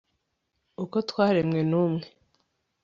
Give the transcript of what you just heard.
uko twaremwe n'umwe